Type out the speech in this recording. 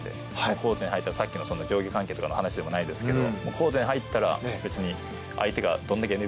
コートに入ったらさっきの上限関係の話でもないですけど。